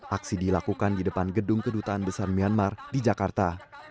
aksi dilakukan di depan gedung kedutaan besar myanmar di jakarta